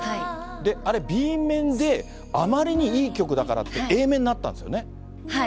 で、あれＢ面で、あまりにいい曲だからって、Ａ面になったんはい。